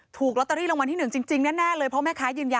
ถูกลอตเตอรี่รางวัลที่๑จริงแน่เลย